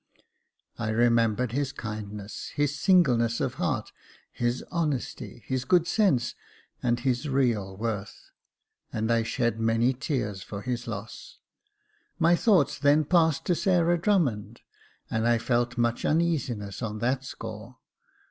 I remembered his kindness, his singleness of heart, his honesty, his good sense, and his real worth ; and I shed many tears for his loss. My thoughts then passed to Sarah Drummond, and I felt much uneasiness on that score.